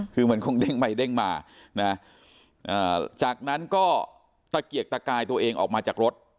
คือมันคงเด้งไปเด้งมานะจากนั้นก็ตะเกียกตะกายตัวเองออกมาจากรถ